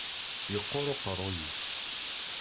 Yeqquṛ uqeṛṛu-yis.